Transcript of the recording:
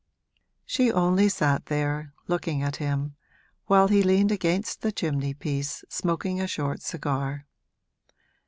She only sat there, looking at him, while he leaned against the chimney piece smoking a short cigar.